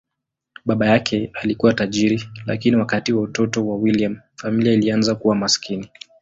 Baba yake alikuwa tajiri, lakini wakati wa utoto wa William, familia ilianza kuwa maskini.